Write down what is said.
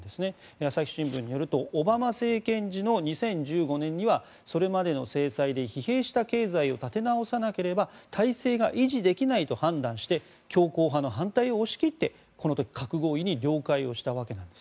朝日新聞によるとオバマ政権時には２０１５年にはそれまでの制裁で疲弊した経済を立て直さなければ体制が維持できないと判断して強硬派の反対を押し切ってこの時、核合意に了解したわけです。